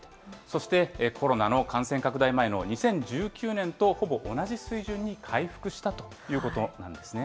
そしてコロナの感染拡大前の２０１９年とほぼ同じ水準に回復したということなんですね。